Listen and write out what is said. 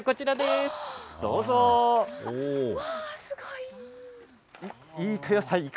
すごい！